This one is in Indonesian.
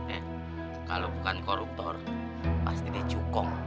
eh kalau bukan koruptor pasti dicukong